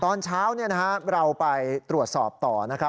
ตอนเช้าเราไปตรวจสอบต่อนะครับ